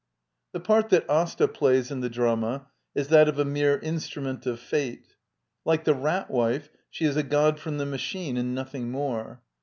The part that Asta plays in the drama is that of a mere instrument of fate. Like the Rat Wife, she is a god from the machine, and nothing more.